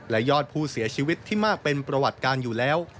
และยอดผู้เสียชีวิตที่มากเป็นประวัติการอยู่แล้ว